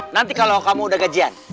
nanti kalau kamu udah gajian